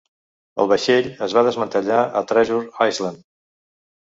El vaixell es va desmantellar a Treasure Island.